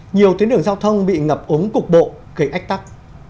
nhiều tuyến đường giao thông bị ngập ống cục bộ gây ách tắc